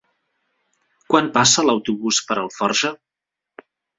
Quan passa l'autobús per Alforja?